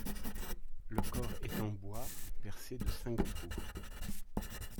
Le corps est en bois percé de cinq trous.